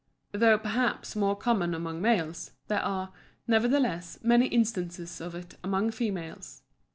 Though, perhaps, more common among males, there are, nevertheless, many instances of it among females.